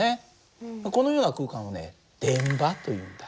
このような空間をね電場というんだ。